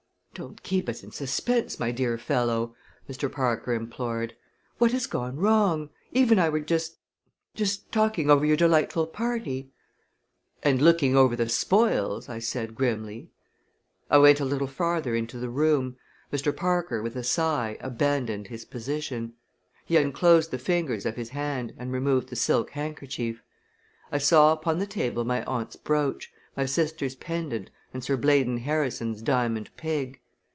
"Don't keep us in suspense, my dear fellow!" Mr. Parker implored. "What has gone wrong? Eve and I were just just talking over your delightful party." "And looking over the spoils!" I said grimly. I went a little farther into the room, Mr. Parker, with a sigh, abandoned his position. He unclosed the fingers of his hand and removed the silk handkerchief. I saw upon the table my aunt's brooch, my sister's pendant and Sir Blaydon Harrison's diamond pig.